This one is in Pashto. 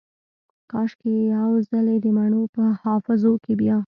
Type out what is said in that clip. کاشکي یو ځلې دمڼو په حافظو کې بیا